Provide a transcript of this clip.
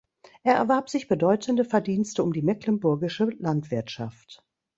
Er erwarb sich bedeutende Verdienste um die mecklenburgische Landwirtschaft.